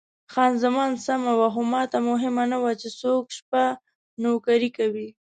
خان زمان سمه وه، خو ماته مهمه نه وه چې څوک شپه نوکري کوي.